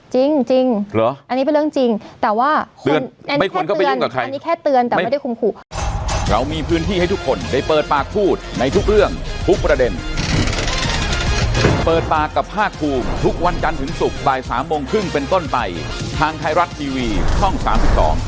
จริงจริงอันนี้เป็นเรื่องจริงแต่ว่าอันนี้แค่เตือนอันนี้แค่เตือนแต่ไม่ได้คุมขุม